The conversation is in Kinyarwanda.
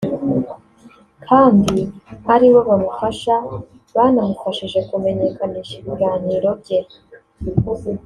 kandi aribo bamufasha (banamufashije) kumenyekanisha ibihangano bye